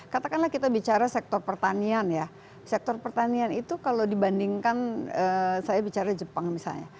katakanlah kita bicara sektor pertanian ya sektor pertanian itu kalau dibandingkan saya bicara jepang misalnya